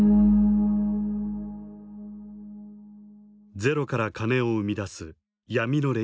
ゼロから金を生み出す闇の錬金術。